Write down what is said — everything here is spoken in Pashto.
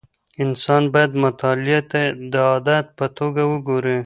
انسان باید مطالعې ته د عادت په توګه وګوري.